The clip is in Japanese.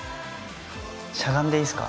しゃがんでいいっすか？